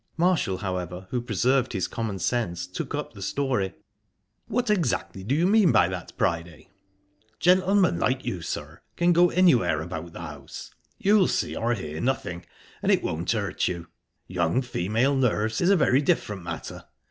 Marshall, however, who preserved his common sense, took up the story. "What exactly do you mean by that, Priday?" "Gentleman like you, sir, can go anywhere about the house. You'll see or hear nothing, and it won't hurt you. Young female nerves is a very different matter.